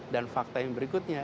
dan fakta yang berikutnya